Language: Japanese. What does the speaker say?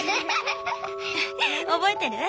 覚えてる？